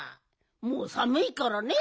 もうさむいからね。